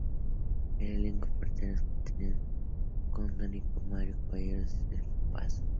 El elenco de reporteros se completaba con Tonino, Mario Caballero y Sergio Pazos.